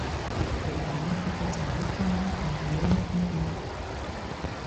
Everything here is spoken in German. Es übernahm stattdessen Leistungen nach Norden und Süden.